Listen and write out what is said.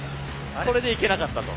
これでいけなかったと。